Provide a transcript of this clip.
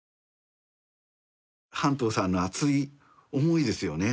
半藤さんの熱い思いですよね